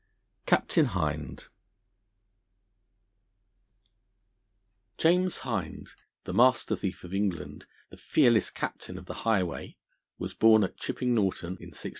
CAPTAIN HIND JAMES HIND, the Master Thief of England, the fearless Captain of the Highway, was born at Chipping Norton in 1618.